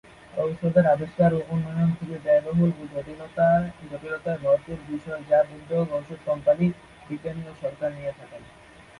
ঔষধের আবিষ্কার ও উন্নয়ন খুবই ব্যয়বহুল ও জটিলতায় ভরপুর বিষয় যার উদ্যোগ ঔষধ কোম্পানি, বিজ্ঞানী ও সরকার নিয়ে থাকেন।